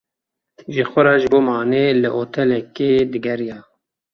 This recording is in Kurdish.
Ji xwe re ji bo manê li otelekê digeriya.